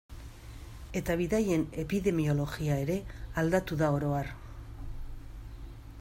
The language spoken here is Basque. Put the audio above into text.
Eta bidaien epidemiologia ere aldatu da oro har.